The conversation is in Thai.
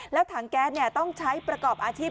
แล้วถังแก๊สต้องใช้ประกอบอาชีพ